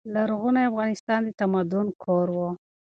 لرغونی افغانستان د تمدن کور و.